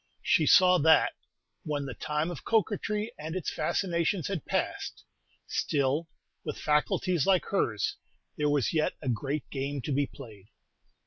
She saw that, when the time of coquetry and its fascinations has passed, still, with faculties like hers, there was yet a great game to be played.